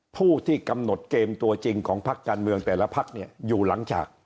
ผู้ที่กำหนดเกมตัวจริงของพักการเมืองแต่ละพักเนี่ยอยู่หลังจาก